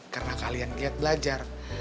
karena kalian lihat belajar